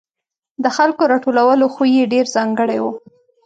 د خلکو راټولولو خوی یې ډېر ځانګړی و.